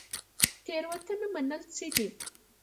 تیروتنه منل څه دي؟